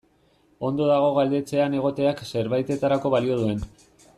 Ondo dago galdetzea han egoteak zerbaitetarako balio duen.